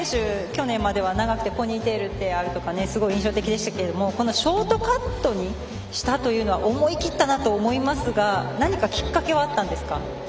去年までは長くてポニーテールが印象的ですがこのショートカットにしたというのは思い切ったなと思いますが何かきっかけはあったんですか？